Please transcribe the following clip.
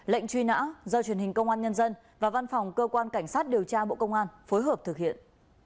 lệnh truy nã do truyền hình công an nhân dân và văn phòng cơ quan cảnh sát điều tra bộ công an phối hợp thực hiện